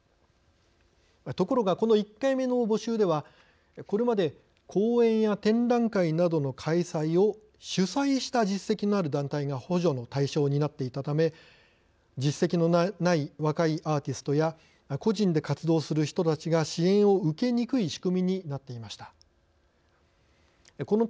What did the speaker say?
ところがこの１回目の募集ではこれまで公演や展覧会などの開催を主催した実績のある団体が補助の対象になっていたため実績のない若いアーティストや個人で活動する人たちが支援を受けにくい仕組みになっていました。